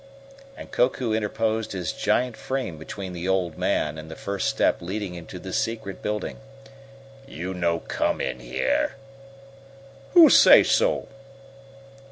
and Koku interposed his giant frame between the old man and the first step leading into the secret building. "You no come in here." "Who say so?"